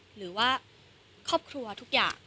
หรือว่าครอบครัวทุกอย่าง